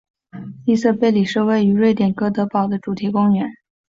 利瑟贝里是位于瑞典哥德堡的主题公园。